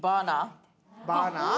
バーナー？